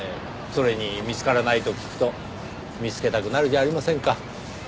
それに見つからないと聞くと見つけたくなるじゃありませんか。